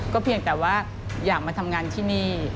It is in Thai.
เพียงแต่ว่าอยากมาทำงานที่นี่